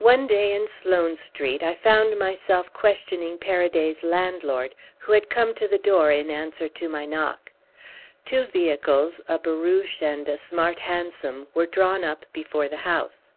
One day in Sloane Street I found myself questioning Paraday's landlord, who had come to the door in answer to my knock. Two vehicles, a barouche and a smart hansom, were drawn up before the house.